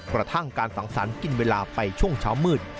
กระทั่งการสังสรรค์กินเวลาไปช่วงเช้ามืด